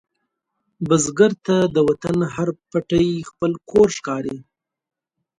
بزګر ته د وطن هر پټی خپل کور ښکاري